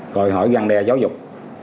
rồi hỏi găng đe giáo dục